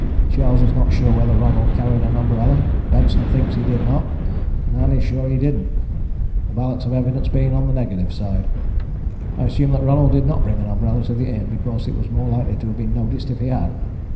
Charles is not sure whether Ronald carried an umbrella, Benson thinks he did not, and Ann is sure he didn't. The balance of evidence being on the negative side, I assume that Ronald did not bring an umbrella to the inn, because it was more likely to have been noticed if he had.